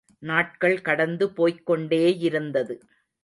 நாட்கள் கடந்து போய்க் கொண்டேயிருந்தது.